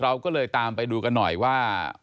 เราก็เลยตามไปดูกันหน่อยว่า